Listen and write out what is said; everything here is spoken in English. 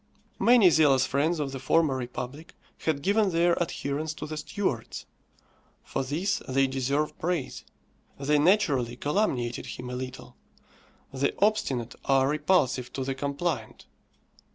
Many zealous friends of the former republic had given their adherence to the Stuarts. For this they deserve praise. They naturally calumniated him a little. The obstinate are repulsive to the compliant.